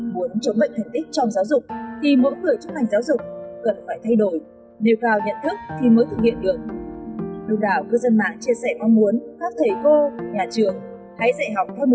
muốn chống bệnh thành tích trong giáo dục thì mỗi người trong mạng giáo dục cần phải thay đổi